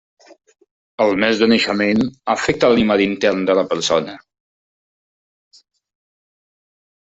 El mes de naixement afecta l'animal intern de la persona.